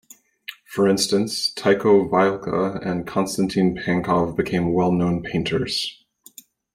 For instance, Tyko Vylka and Konstantin Pankov became well-known painters.